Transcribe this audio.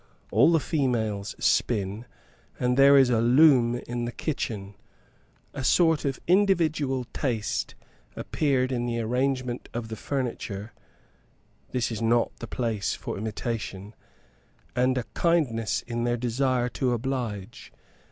All the females spin, and there is a loom in the kitchen. A sort of individual taste appeared in the arrangement of the furniture (this is not the place for imitation) and a kindness in their desire to oblige.